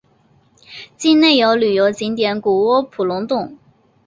境内有旅游景点谷窝普熔洞。